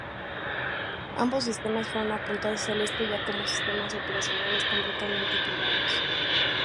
Ambos sistemas fueron apuntados hacia el este ya como sistemas operacionales completamente probados.